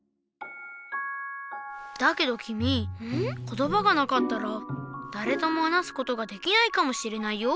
言葉がなかったらだれとも話すことができないかもしれないよ。